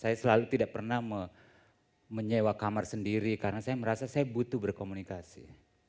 saya selalu tidak pernah menyewa kamar sendiri karena saya merasa saya butuh berkomunikasi